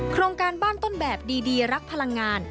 โครงการบ้านต้นแบบดีรักพลังงาน